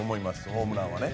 ホームランはね。